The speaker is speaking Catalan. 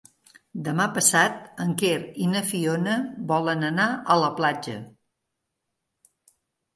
Demà passat en Quer i na Fiona volen anar a la platja.